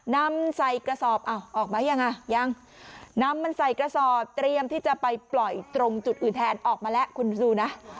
นำใส่กระสอบอ้าวออกมายังอ่ะยังนำมันใส่กระสอบเตรียมที่จะไปปล่อยตรงจุดอื่นแทนออกมาแล้วคุณดูนะ